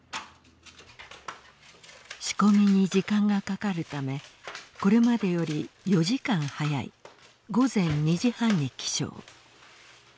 仕込みに時間がかかるためこれまでより４時間早い午前２時半に起床。